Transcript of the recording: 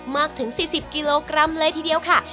มากถึง๔๐กิโลกรัมเลยทีเดียวค่ะ